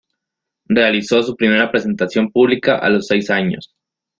Realizó su primera presentación pública a los seis años.